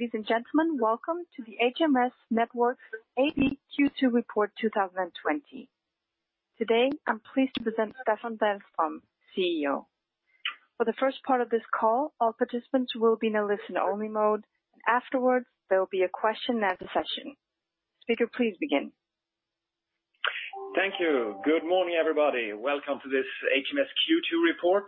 Ladies and gentlemen, welcome to the HMS Networks AB Q2 Report 2020. Today, I'm pleased to present Staffan Dahlström, CEO. For the first part of this call, all participants will be in a listen-only mode. Afterwards, there will be a question and answer session. Speaker, please begin. Thank you. Good morning, everybody. Welcome to this HMS Q2 report.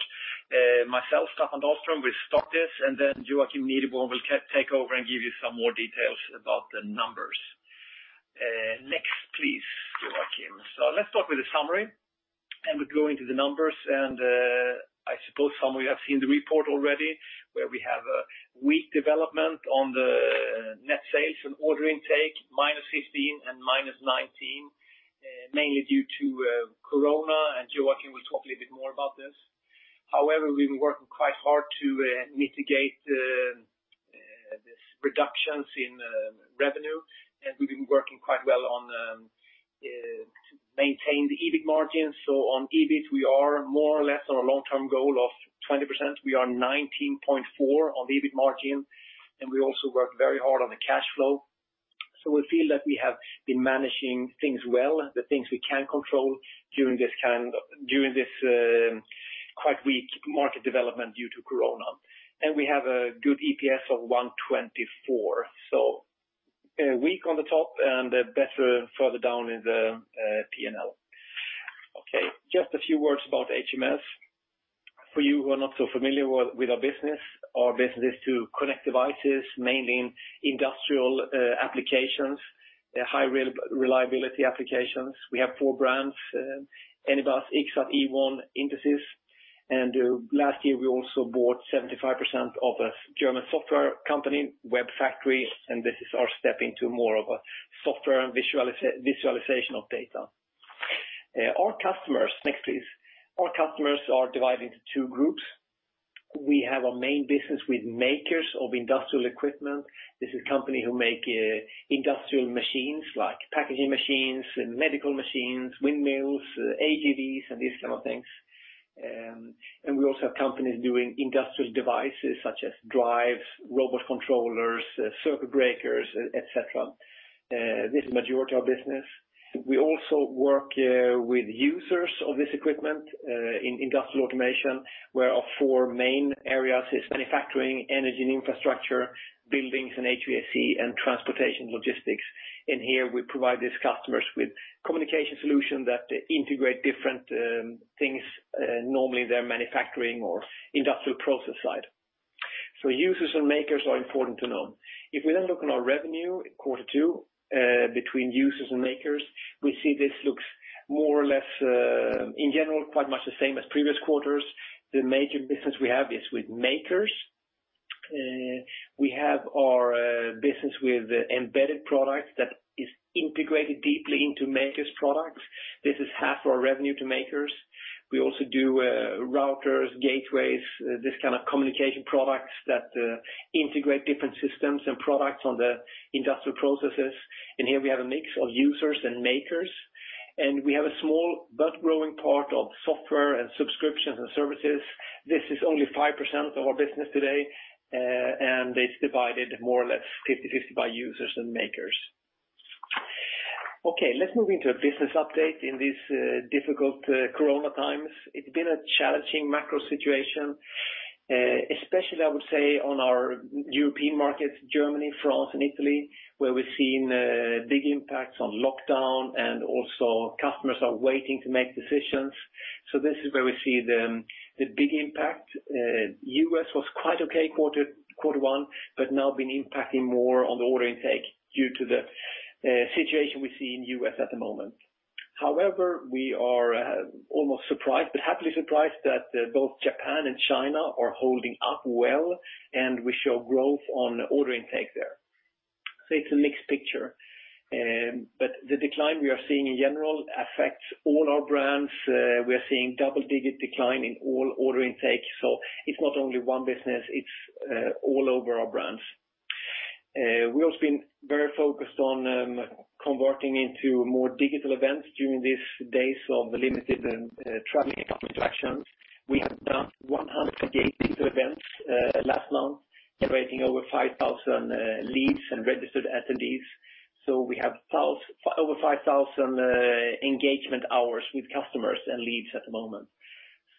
Myself, Staffan Dahlström, will start this, and then Joakim Nideborn will take over and give you some more details about the numbers. Next, please, Joakim. Let's start with a summary, and we go into the numbers, and I suppose some of you have seen the report already, where we have a weak development on the net sales and order intake, -15% and -19%, mainly due to Corona, and Joakim will talk a little bit more about this. However, we've been working quite hard to mitigate these reductions in revenue, and we've been working quite well on to maintain the EBIT margins. On EBIT, we are more or less on a long-term goal of 20%. We are 19.4% on the EBIT margin, and we also work very hard on the cash flow. We feel that we have been managing things well, the things we can control during this quite weak market development due to Corona. We have a good EPS of 124. Weak on the top and better further down in the P&L. Okay. Just a few words about HMS. For you who are not so familiar with our business, our business is to connect devices, mainly in industrial applications, high reliability applications. We have four brands, Anybus, Ixxat, Ewon, Intesis, and last year we also bought 75% of a German software company, WEBfactory, and this is our step into more of a software and visualization of data. Next, please. Our customers are divided into two groups. We have a main business with makers of industrial equipment. This is company who make industrial machines like packaging machines, medical machines, windmills, AGVs, and these kind of things. We also have companies doing industrial devices such as drives, robot controllers, circuit breakers, et cetera. This is majority of business. We also work with users of this equipment in industrial automation, where our four main areas is manufacturing, energy and infrastructure, buildings and HVAC, and transportation logistics. In here, we provide these customers with communication solution that integrate different things, normally their manufacturing or industrial process side. Users and makers are important to know. If we look on our revenue in quarter two between users and makers, we see this looks more or less, in general, quite much the same as previous quarters. The major business we have is with makers. We have our business with embedded products that is integrated deeply into makers products. This is half our revenue to makers. We also do routers, gateways, this kind of communication products that integrate different systems and products on the industrial processes. Here we have a mix of users and makers. We have a small but growing part of software and subscriptions and services. This is only 5% of our business today, and it's divided more or less 50/50 by users and makers. Okay, let's move into a business update in this difficult Corona times. It's been a challenging macro situation, especially, I would say, on our European markets, Germany, France, and Italy, where we've seen big impacts on lockdown and also customers are waiting to make decisions. This is where we see the big impact. U.S. was quite okay quarter one, but now been impacting more on the order intake due to the situation we see in U.S. at the moment. We are almost surprised, but happily surprised that both Japan and China are holding up well, and we show growth on order intake there. It's a mixed picture. The decline we are seeing in general affects all our brands. We are seeing double-digit decline in all order intake. It's not only one business, it's all over our brands. We also been very focused on converting into more digital events during these days of limited traveling and customer interactions. We have done 180 digital events last month, generating over 5,000 leads and registered attendees. We have over 5,000 engagement hours with customers and leads at the moment.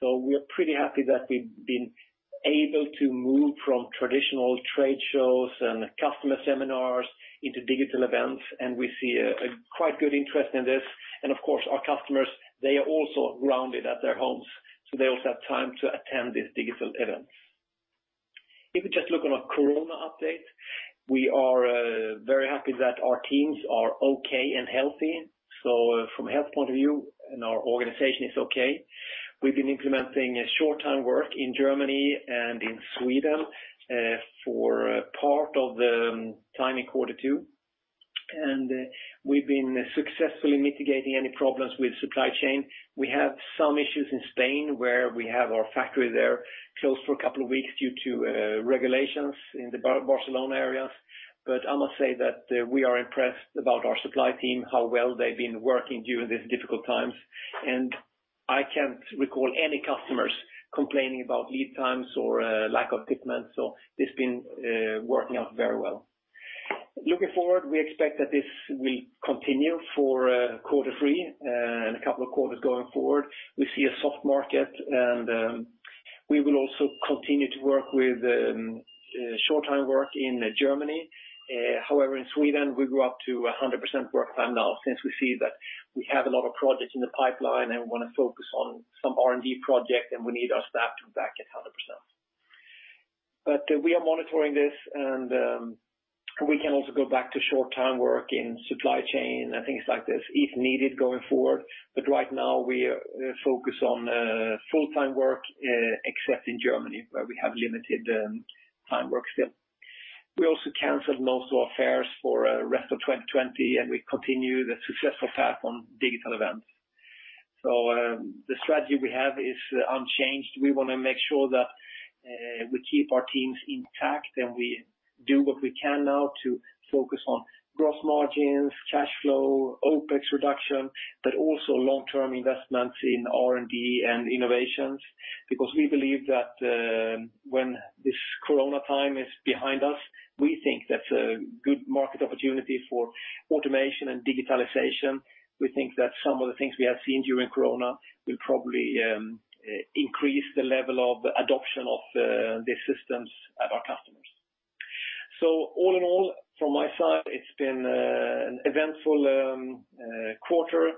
We are pretty happy that we've been able to move from traditional trade shows and customer seminars into digital events, and we see a quite good interest in this. Of course, our customers, they are also grounded at their homes, so they also have time to attend these digital events. If we just look on our Corona update, we are very happy that our teams are okay and healthy. From a health point of view and our organization is okay. We've been implementing short-time work in Germany and in Sweden for part of the time in quarter 2, and we've been successfully mitigating any problems with supply chain. We have some issues in Spain, where we have our factory there closed for a couple of weeks due to regulations in the Barcelona areas. I must say that we are impressed about our supply team, how well they've been working during these difficult times. I can't recall any customers complaining about lead times or lack of equipment. It's been working out very well. Looking forward, we expect that this will continue for quarter three and a couple of quarters going forward. We see a soft market. We will also continue to work with short time work in Germany. However, in Sweden, we grew up to 100% work time now, since we see that we have a lot of projects in the pipeline, and we want to focus on some R&D projects, and we need our staff to back it 100%. We are monitoring this, and we can also go back to short time work in supply chain and things like this if needed going forward. Right now, we are focused on full-time work, except in Germany, where we have limited time work still. We also canceled most of our fairs for rest of 2020. We continue the successful path on digital events. The strategy we have is unchanged. We want to make sure that we keep our teams intact, and we do what we can now to focus on gross margins, cash flow, OpEx reduction, but also long-term investments in R&D and innovations. We believe that when this Corona time is behind us, we think that's a good market opportunity for automation and digitalization. We think that some of the things we have seen during Corona will probably increase the level of adoption of these systems at our customers. All in all, from my side, it's been an eventful quarter,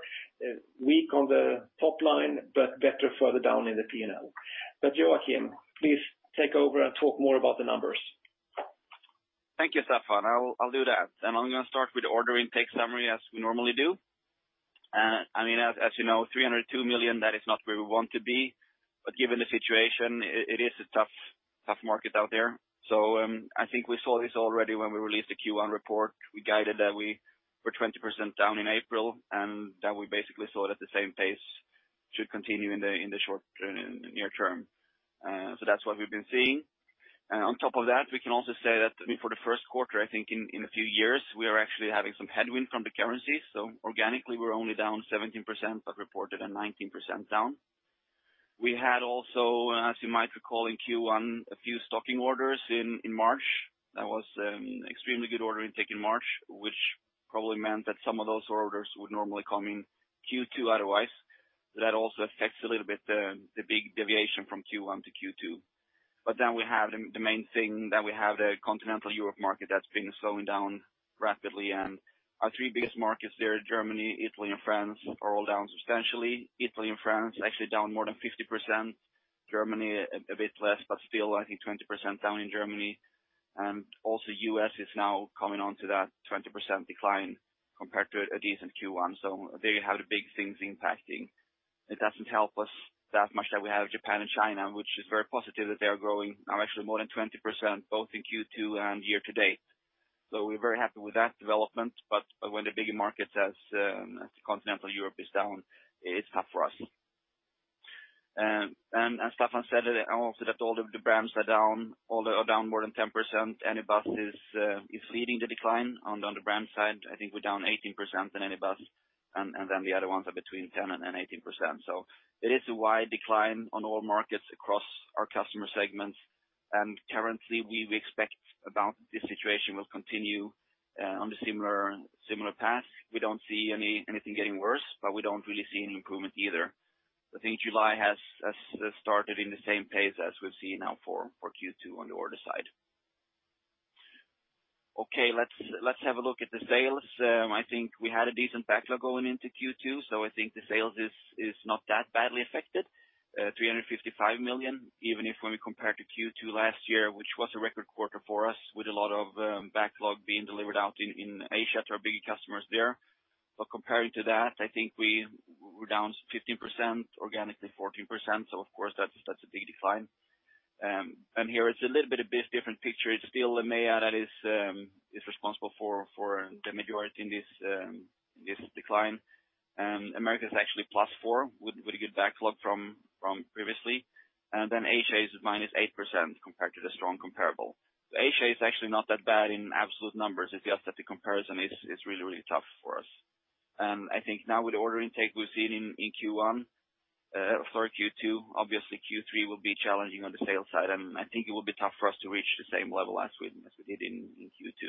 weak on the top line, but better further down in the P&L. Joakim, please take over and talk more about the numbers. Thank you, Staffan. I'll do that. I'm going to start with order intake summary as we normally do. As you know, 302 million, that is not where we want to be, but given the situation, it is a tough market out there. I think we saw this already when we released the Q1 report. We guided that we were 20% down in April, and that we basically saw it at the same pace should continue in the near term. That's what we've been seeing. On top of that, we can also say that for the first quarter, I think in a few years, we are actually having some headwind from the currency. Organically, we're only down 17%, but reported a 19% down. We had also, as you might recall, in Q1, a few stocking orders in March. That was extremely good order intake in March, which probably meant that some of those orders would normally come in Q2 otherwise. That also affects a little bit the big deviation from Q1 to Q2. We have the main thing that we have the Continental Europe market that's been slowing down rapidly, and our three biggest markets there, Germany, Italy, and France, are all down substantially. Italy and France actually down more than 50%. Germany a bit less, but still I think 20% down in Germany. U.S. is now coming on to that 20% decline compared to a decent Q1. There you have the big things impacting. It doesn't help us that much that we have Japan and China, which is very positive that they are growing now actually more than 20%, both in Q2 and year to date. We're very happy with that development. When the bigger markets as Continental Europe is down, it's tough for us. Staffan Dahlström said it also that all of the brands are down more than 10%. Anybus is leading the decline on the brand side. I think we're down 18% in Anybus, and then the other ones are between 10%-18%. It is a wide decline on all markets across our customer segments. Currently, we expect about this situation will continue on the similar path. We don't see anything getting worse, but we don't really see any improvement either. I think July has started in the same pace as we've seen now for Q2 on the order side. Let's have a look at the sales. I think we had a decent backlog going into Q2, I think the sales is not that badly affected. 355 million, even if when we compare to Q2 last year, which was a record quarter for us with a lot of backlog being delivered out in Asia to our bigger customers there. Comparing to that, I think we're down 15%, organically 14%. Of course, that's a big decline. Here it's a little bit of different picture. It's still EMEA that is responsible for the majority in this decline. America is actually +4% with a good backlog from previously. Asia is minus 8% compared to the strong comparable. Asia is actually not that bad in absolute numbers. It's just that the comparison is really tough for us. I think now with the order intake we've seen in Q1, sorry, Q2, obviously Q3 will be challenging on the sales side, and I think it will be tough for us to reach the same level as we did in Q2.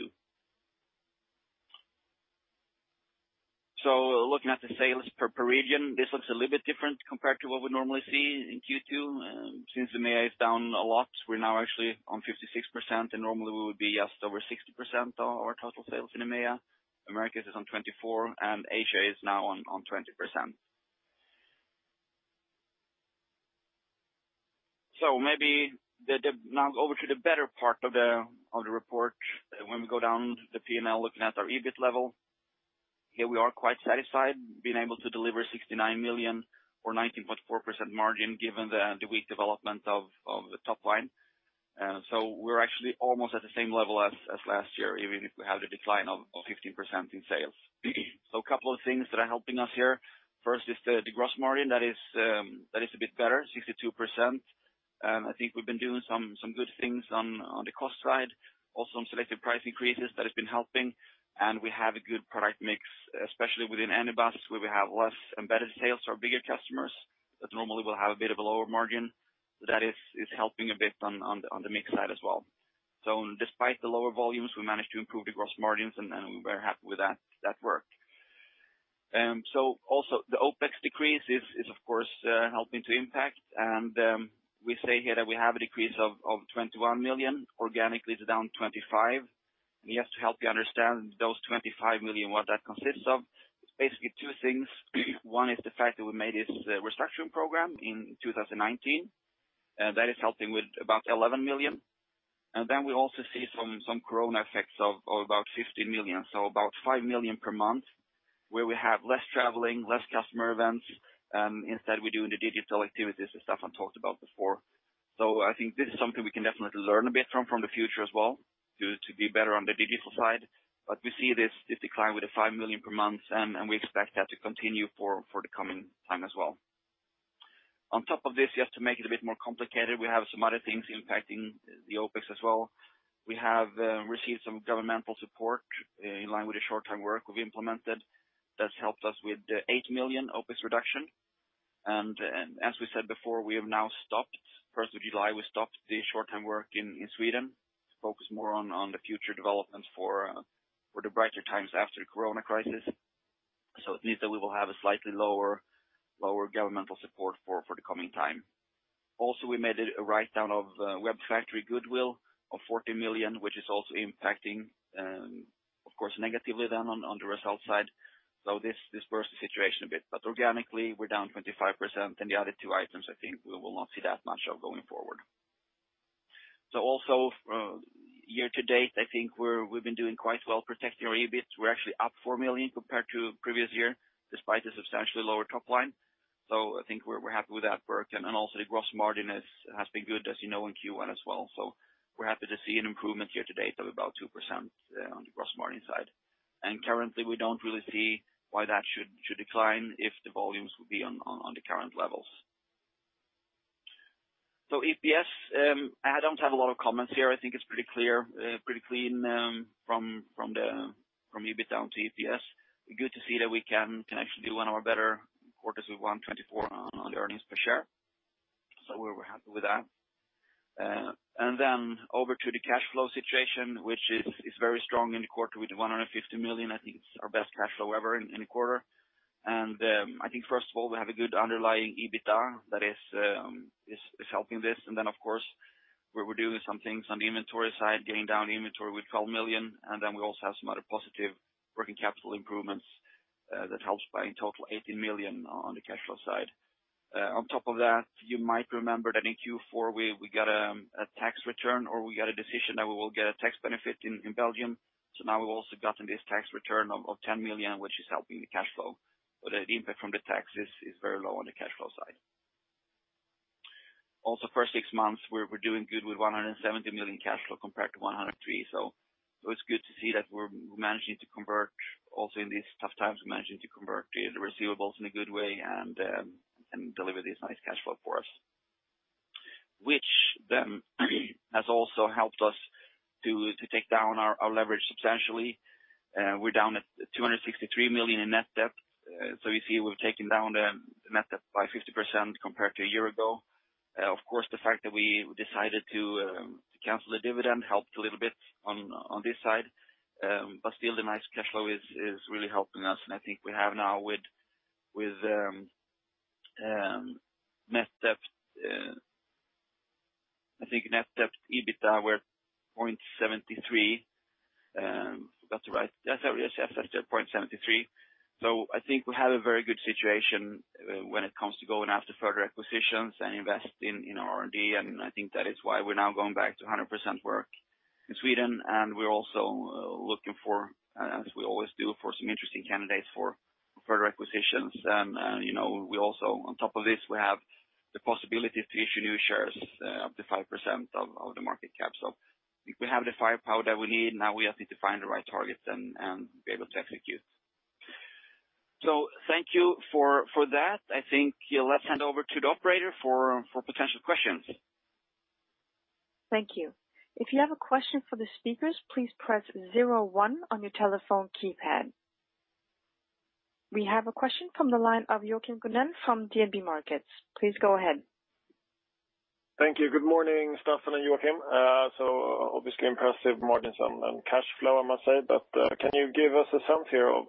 Looking at the sales per region, this looks a little bit different compared to what we normally see in Q2. Since EMEA is down a lot, we're now actually on 56%, and normally we would be just over 60% of our total sales in EMEA. Americas is on 24%, and Asia is now on 20%. Maybe now over to the better part of the report. When we go down to the P&L, looking at our EBIT level, here we are quite satisfied being able to deliver 69 million or 19.4% margin given the weak development of the top line. We're actually almost at the same level as last year, even if we have the decline of 15% in sales. A couple of things that are helping us here. First is the gross margin. That is a bit better, 62%. I think we've been doing some good things on the cost side, also on selective price increases that has been helping. We have a good product mix, especially within Anybus, where we have less embedded sales to our bigger customers, that normally will have a bit of a lower margin. That is helping a bit on the mix side as well. Despite the lower volumes, we managed to improve the gross margins, and we're happy with that work. Also, the OpEx decrease is of course, helping to impact. We say here that we have a decrease of 21 million. Organically, it's down 25. Just to help you understand those 25 million, what that consists of, it's basically two things. One is the fact that we made this restructuring program in 2019, that is helping with about 11 million. We also see some Corona effects of about 15 million. About 5 million per month, where we have less traveling, less customer events. Instead, we're doing the digital activities that Staffan talked about before. I think this is something we can definitely learn a bit from the future as well, to be better on the digital side. We see this decline with the 5 million per month, and we expect that to continue for the coming time as well. On top of this, just to make it a bit more complicated, we have some other things impacting the OpEx as well. We have received some governmental support in line with the short-term work we've implemented that's helped us with the 8 million OpEx reduction. As we said before, we have now stopped. 1st of July, we stopped the short-term work in Sweden to focus more on the future developments for the brighter times after the Corona crisis. It means that we will have a slightly lower governmental support for the coming time. Also, we made a write-down of WEBfactory goodwill of 40 million, which is also impacting, of course, negatively then on the result side. This bursts the situation a bit. Organically, we're down 25%, and the other two items, I think we will not see that much of going forward. Also, year to date, I think we've been doing quite well protecting our EBIT. We're actually up 4 million compared to previous year, despite the substantially lower top line. I think we're happy with that work. Also the gross margin has been good, as you know, in Q1 as well. We're happy to see an improvement year-to-date of about 2% on the gross margin side. Currently, we don't really see why that should decline if the volumes will be on the current levels. EPS, I don't have a lot of comments here. I think it's pretty clear, pretty clean from EBIT down to EPS. Good to see that we can actually do one of our better quarters with 124 on the earnings per share. We're happy with that. Then over to the cash flow situation, which is very strong in the quarter with 150 million. I think it's our best cash flow ever in a quarter. I think first of all, we have a good underlying EBITDA that is helping this. Then, of course, we're doing some things on the inventory side, getting down inventory with 12 million. Then we also have some other positive working capital improvements that helps by, in total, 18 million on the cash flow side. On top of that, you might remember that in Q4, we got a tax return, or we got a decision that we will get a tax benefit in Belgium. Now we've also gotten this tax return of 10 million, which is helping the cash flow. The impact from the tax is very low on the cash flow side. Also, first six months, we're doing good with 170 million cash flow compared to 103 million. It's good to see that we're managing to convert also in these tough times, managing to convert the receivables in a good way and deliver this nice cash flow for us. Which then has also helped us to take down our leverage substantially. We're down at 263 million in net debt. You see we've taken down the net debt by 50% compared to a year ago. Of course, the fact that we decided to cancel the dividend helped a little bit on this side. Still, the nice cash flow is really helping us, and I think we have now with net debt, I think net debt EBITDA, we're 0.73. Yes, that's it, 0.73. I think we have a very good situation when it comes to going after further acquisitions and investing in R&D, and I think that is why we're now going back to 100% work in Sweden. We're also looking for, as we always do, for some interesting candidates for further acquisitions. We also, on top of this, we have the possibility to issue new shares up to 5% of the market cap. I think we have the firepower that we need. Now we have to find the right targets and be able to execute. Thank you for that. I think let's hand over to the operator for potential questions. Thank you. If you have a question for the speakers, please press 01 on your telephone keypad. We have a question from the line of Joakim Gjerlufsen from DNB Markets. Please go ahead. Thank you. Good morning, Staffan and Joakim. Obviously impressive margins on cash flow, I must say. Can you give us a sense here of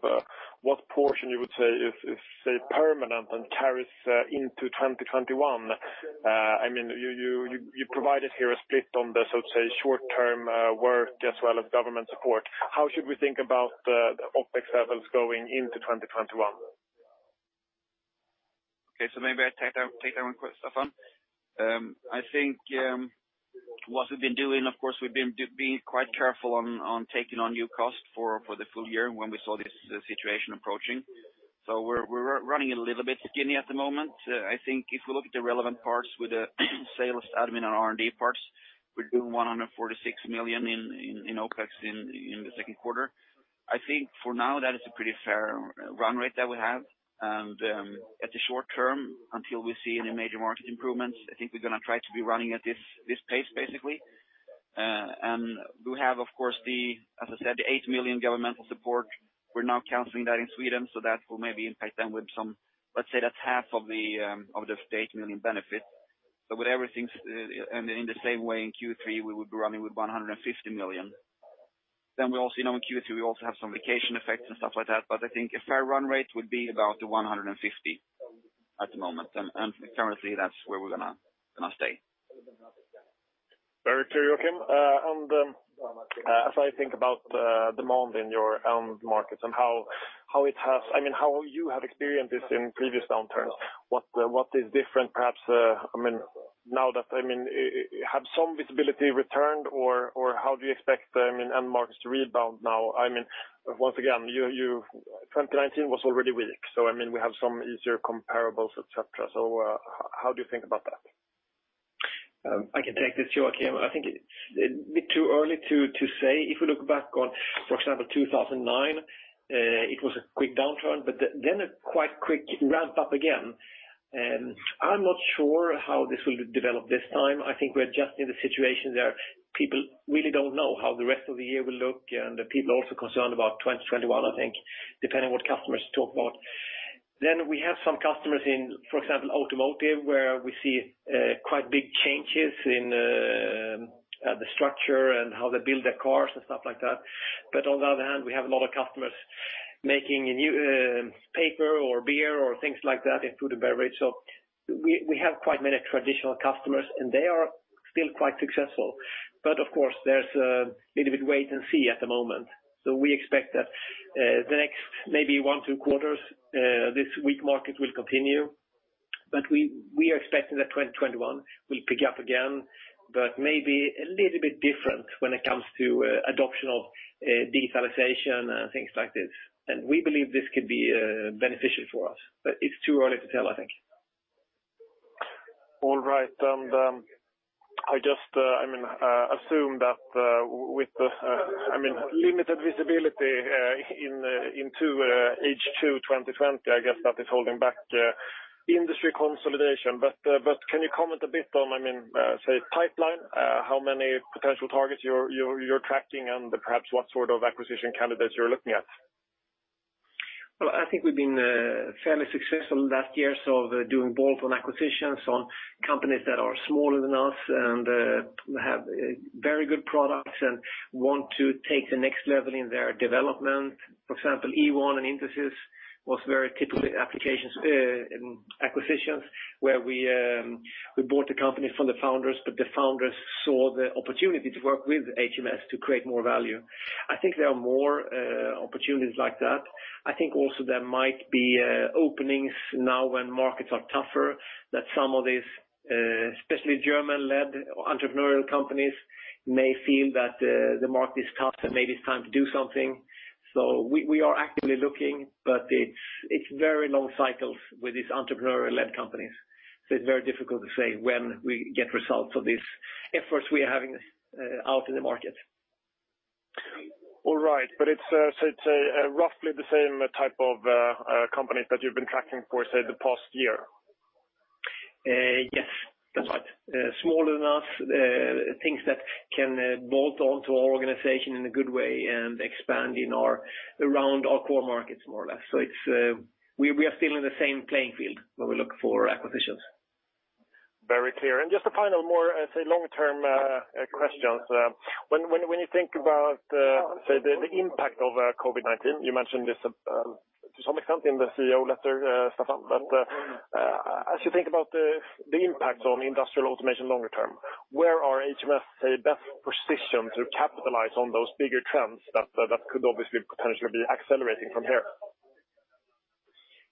what portion you would say is, say, permanent and carries into 2021? You provided here a split on the, so to say, short-term work as well as government support. How should we think about the OpEx levels going into 2021? Maybe I take that one, Staffan. I think what we've been doing, of course, we've been quite careful on taking on new costs for the full year when we saw this situation approaching. We're running a little bit skinny at the moment. I think if we look at the relevant parts with the sales admin and R&D parts. We're doing 146 million in OpEx in the second quarter. I think for now, that is a pretty fair run rate that we have. At the short term, until we see any major market improvements, I think we're going to try to be running at this pace, basically. We have, of course, as I said, the 8 million governmental support. We're now canceling that in Sweden, that will maybe impact them with some, let's say that's half of the state's million benefit. With everything, and in the same way in Q3, we would be running with 150 million. We also know in Q2, we also have some vacation effects and stuff like that. I think a fair run rate would be about 150 at the moment. Currently, that's where we're going to stay. Very clear, Joakim. As I think about demand in your end markets and how you have experienced this in previous downturns, what is different, perhaps, now that have some visibility returned? How do you expect end markets to rebound now? Once again, 2019 was already weak. We have some easier comparables, et cetera. How do you think about that? I can take this, Joakim. I think a bit too early to say. If we look back on, for example, 2009, it was a quick downturn, a quite quick ramp up again. I'm not sure how this will develop this time. I think we're just in the situation where people really don't know how the rest of the year will look, people are also concerned about 2021, I think, depending what customers talk about. We have some customers in, for example, automotive, where we see quite big changes in the structure and how they build their cars and stuff like that. On the other hand, we have a lot of customers making paper or beer or things like that in food and beverage. We have quite many traditional customers, they are still quite successful. Of course, there's a little bit wait and see at the moment. We expect that the next maybe one, two quarters, this weak market will continue. We are expecting that 2021 will pick up again, but maybe a little bit different when it comes to adoption of digitalization and things like this. We believe this could be beneficial for us, but it's too early to tell, I think. All right. I just assume that with the limited visibility into H2 2020, I guess that is holding back industry consolidation. Can you comment a bit on, say, pipeline, how many potential targets you're tracking and perhaps what sort of acquisition candidates you're looking at? Well, I think we've been fairly successful last year or so doing bolt-on acquisitions on companies that are smaller than us and have very good products and want to take the next level in their development. For example, Ewon and Intesis was very typical acquisitions, where we bought the company from the founders, but the founders saw the opportunity to work with HMS Networks to create more value. I think there are more opportunities like that. I think also there might be openings now when markets are tougher, that some of these, especially German-led entrepreneurial companies, may feel that the market is tough and maybe it's time to do something. We are actively looking, but it's very long cycles with these entrepreneurial-led companies. It's very difficult to say when we get results of these efforts we are having out in the market. All right. It's roughly the same type of companies that you've been tracking for, say, the past year. Yes, that's right. Smaller than us, things that can bolt on to our organization in a good way and expand around our core markets, more or less. We are still in the same playing field when we look for acquisitions. Very clear. Just a final, more, say, long-term question. When you think about, say, the impact of COVID-19, you mentioned this to some extent in the CEO letter, Staffan. As you think about the impact on industrial automation longer term, where are HMS best positioned to capitalize on those bigger trends that could obviously potentially be accelerating from here?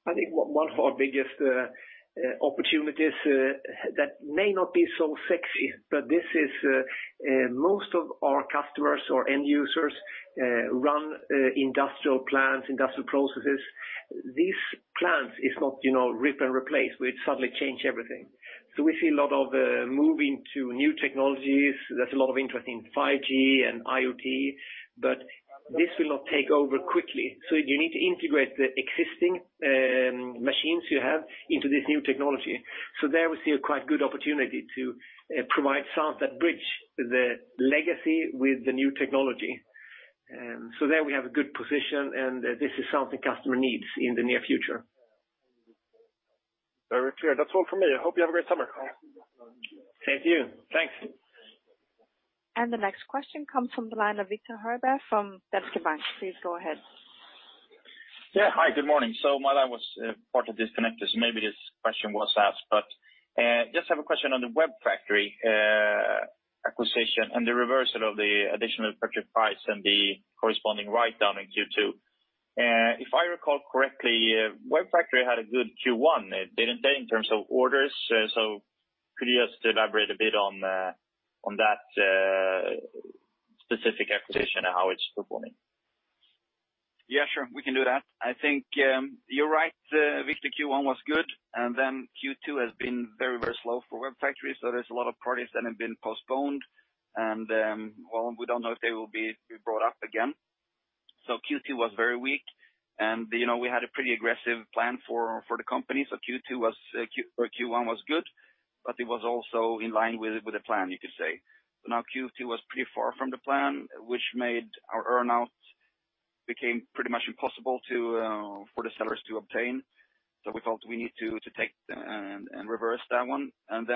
I think one of our biggest opportunities that may not be so sexy, but this is most of our customers or end users run industrial plants, industrial processes. These plants is not rip and replace, we suddenly change everything. We see a lot of moving to new technologies. There's a lot of interest in 5G and IoT, but this will not take over quickly. You need to integrate the existing machines you have into this new technology. There we see a quite good opportunity to provide something that bridge the legacy with the new technology. There we have a good position, and this is something customer needs in the near future. Very clear. That's all from me. I hope you have a great summer. Thank you. Thanks. The next question comes from the line of Viktor Högberg from DNB Bank. Please go ahead. Yeah. Hi, good morning. My line was partly disconnected, so maybe this question was asked, but just have a question on the WEBfactory acquisition and the reversal of the additional purchase price and the corresponding write-down in Q2. If I recall correctly, WEBfactory had a good Q1, didn't they, in terms of orders? Could you just elaborate a bit on that? specific acquisition and how it's performing. Yeah, sure. We can do that. I think you're right, Viktor, Q1 was good, Q2 has been very slow for WEBfactory, there's a lot of parties that have been postponed. Well, we don't know if they will be brought up again. Q2 was very weak. We had a pretty aggressive plan for the company, Q1 was good, it was also in line with the plan, you could say. Now Q2 was pretty far from the plan, which made our earn-out became pretty much impossible for the sellers to obtain. We felt we need to take and reverse that one.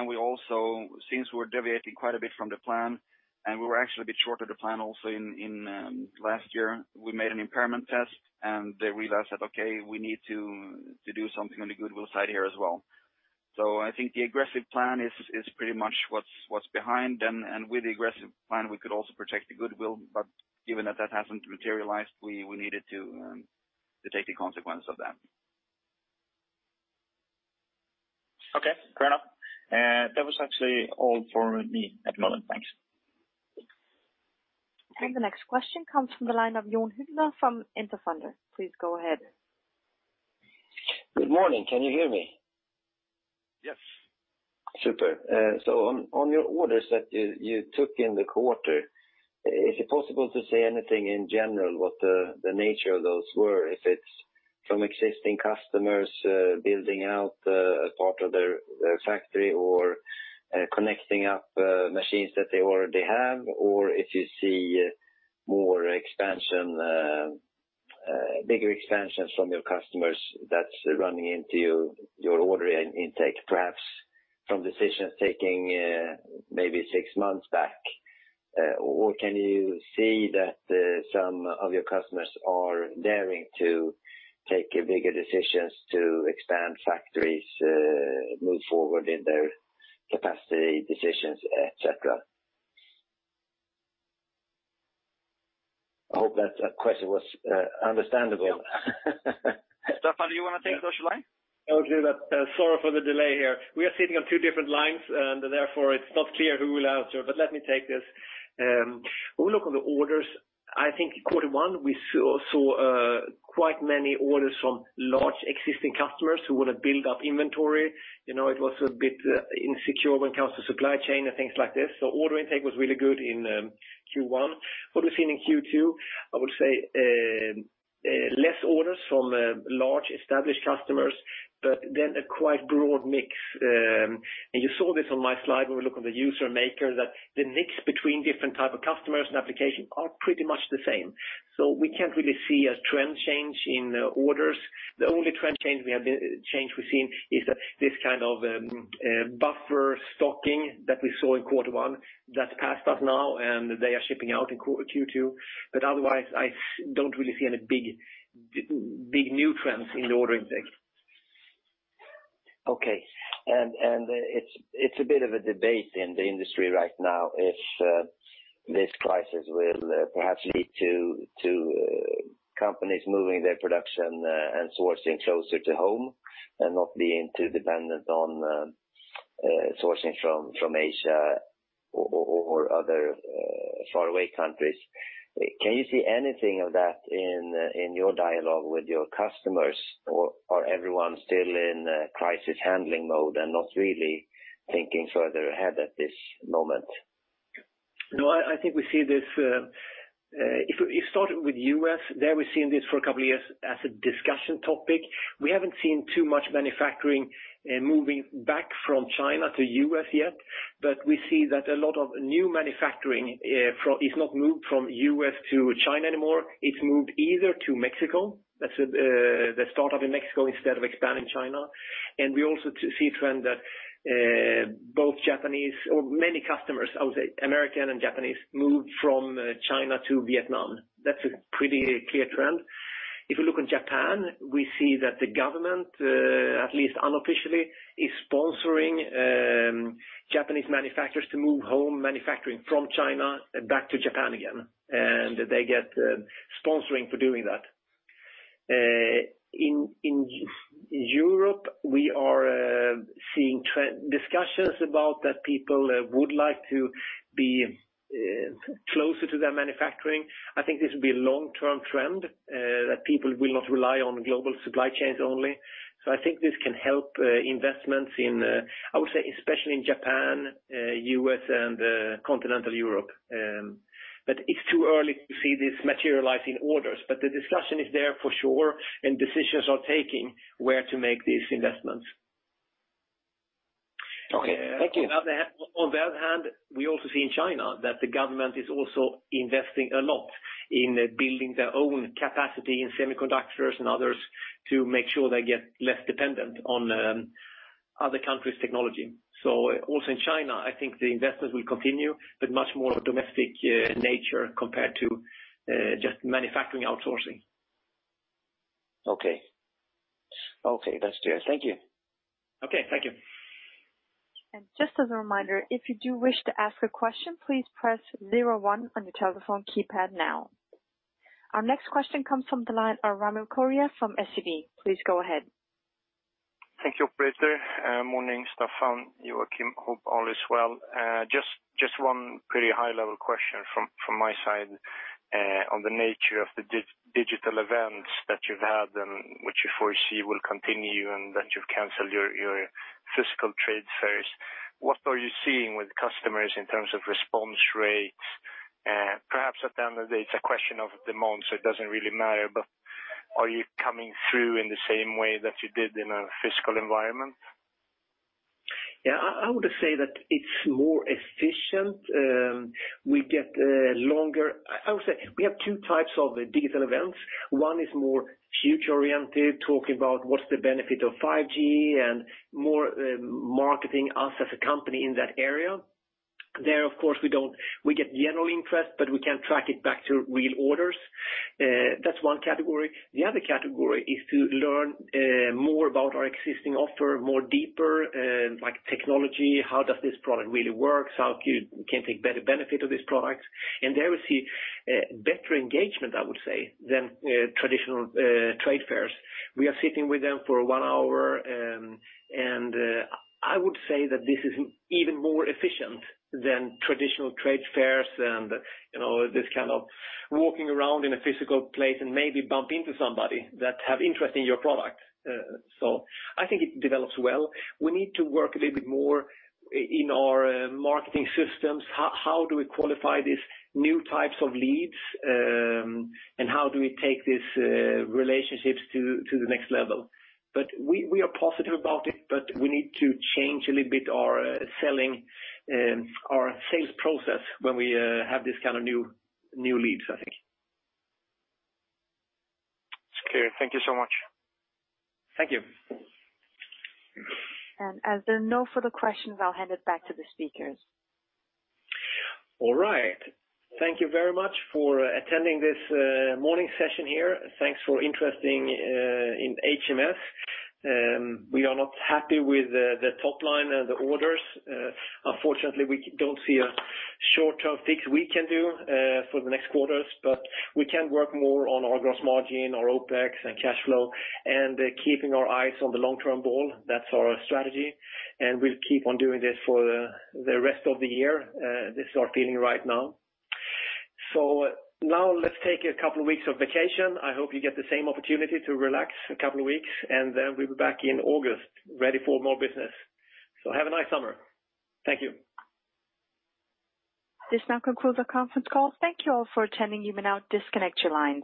We also, since we're deviating quite a bit from the plan, and we were actually a bit short of the plan also in last year, we made an impairment test, and they realized that, okay, we need to do something on the goodwill side here as well. I think the aggressive plan is pretty much what's behind, and with the aggressive plan, we could also protect the goodwill. Given that that hasn't materialized, we needed to take the consequence of that. Okay, fair enough. That was actually all for me at the moment, thanks. The next question comes from the line of Jonas Hugene from Interfund. Please go ahead. Good morning. Can you hear me? Yes. Super. On your orders that you took in the quarter, is it possible to say anything in general what the nature of those were, if it's from existing customers building out a part of their factory or connecting up machines that they already have, or if you see more expansion, bigger expansions from your customers that's running into your order intake, perhaps from decisions taking maybe six months back. Can you see that some of your customers are daring to take bigger decisions to expand factories, move forward in their capacity, decisions, et cetera? I hope that question was understandable. Staffan, do you want to take that line? I'll do that. Sorry for the delay here. We are sitting on two different lines, and therefore it's not clear who will answer, but let me take this. When we look on the orders, I think in Q1, we saw quite many orders from large existing customers who want to build up inventory. It was a bit insecure when it comes to supply chain and things like this. Order intake was really good in Q1. What we've seen in Q2, I would say, less orders from large established customers, but then a quite broad mix. You saw this on my slide when we look on the user maker, that the mix between different type of customers and application are pretty much the same. We can't really see a trend change in orders. The only trend change we've seen is that this kind of buffer stocking that we saw in Q1, that's passed us now, and they are shipping out in Q2. Otherwise, I don't really see any big new trends in the order intake. Okay. It's a bit of a debate in the industry right now if this crisis will perhaps lead to companies moving their production and sourcing closer to home and not being too dependent on sourcing from Asia or other far away countries. Can you see anything of that in your dialogue with your customers, or everyone still in crisis handling mode and not really thinking further ahead at this moment? No, I think we see this. If you start with U.S., there we've seen this for a couple of years as a discussion topic. We haven't seen too much manufacturing moving back from China to U.S. yet, but we see that a lot of new manufacturing is not moved from U.S. to China anymore. It's moved either to Mexico. That's the start up in Mexico instead of expanding China. We also see a trend that both Japanese or many customers, I would say, American and Japanese, moved from China to Vietnam. That's a pretty clear trend. If you look in Japan, we see that the government, at least unofficially, is sponsoring Japanese manufacturers to move home manufacturing from China back to Japan again, and they get sponsoring for doing that. In Europe, we are seeing discussions about that people would like to be closer to their manufacturing. I think this will be a long-term trend, that people will not rely on global supply chains only. I think this can help investments in, I would say, especially in Japan, U.S., and continental Europe. It's too early to see this materialize in orders. The discussion is there for sure, and decisions are taking where to make these investments. Okay. Thank you. On the other hand, we also see in China that the government is also investing a lot in building their own capacity in semiconductors and others to make sure they get less dependent on other countries' technology. Also in China, I think the investments will continue, but much more domestic nature compared to just manufacturing outsourcing. Okay. That's clear. Thank you. Okay, thank you. Just as a reminder, if you do wish to ask a question, please press 01 on your telephone keypad now. Our next question comes from the line of Daniel Thorsson from SEB. Please go ahead. Thank you, operator. Morning, Staffan, Joakim. Hope all is well. Just one pretty high level question from my side on the nature of the digital events that you've had and which you foresee will continue and that you've canceled your physical trade fairs. What are you seeing with customers in terms of response rates? Perhaps at the end of the day, it's a question of demand, so it doesn't really matter. Are you coming through in the same way that you did in a physical environment? Yeah, I would say that it's more efficient. I would say we have two types of digital events. One is more future-oriented, talking about what's the benefit of 5G and more marketing us as a company in that area. There, of course, we get general interest, but we can track it back to real orders. That's one category. The other category is to learn more about our existing offer, more deeper, like technology, how does this product really works, how you can take better benefit of this product. There we see better engagement, I would say, than traditional trade fairs. We are sitting with them for one hour, and I would say that this is even more efficient than traditional trade fairs and this kind of walking around in a physical place and maybe bump into somebody that have interest in your product. I think it develops well. We need to work a little bit more in our marketing systems. How do we qualify these new types of leads, and how do we take these relationships to the next level? We are positive about it, but we need to change a little bit our sales process when we have these kind of new leads, I think. It's clear. Thank you so much. Thank you. As there are no further questions, I'll hand it back to the speakers. All right. Thank you very much for attending this morning session here. Thanks for interest in HMS. We are not happy with the top line and the orders. Unfortunately, we don't see a short-term fix we can do for the next quarters, but we can work more on our gross margin, our OpEx, and cash flow, and keeping our eyes on the long-term goal. That's our strategy, and we'll keep on doing this for the rest of the year. This is our feeling right now. Now let's take a couple weeks of vacation. I hope you get the same opportunity to relax a couple of weeks, and then we'll be back in August ready for more business. Have a nice summer. Thank you. This now concludes our conference call. Thank you all for attending. You may now disconnect your lines.